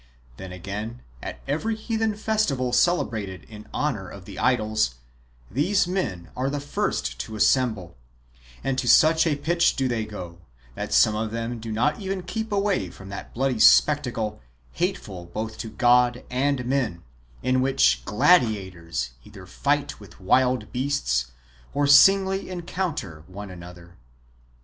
Then, again, at every heathen festival celebrated in honour of the idols, these men are the first to assemble ; and to such a pitch do they go, that some of them do not even keep away from that bloody spec tacle hateful both to God and men, in which gladiators either fight with w^ild beasts, or singly encounter one another.